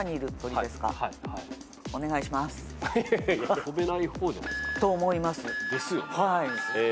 飛べない方じゃないっすか？と思います。